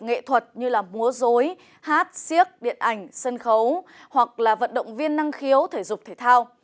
nghệ thuật như là múa dối hát siếc điện ảnh sân khấu hoặc là vận động viên năng khiếu thể dục thể thao